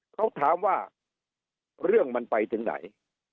เขาถามว่าเรื่องมันไปถึงไหน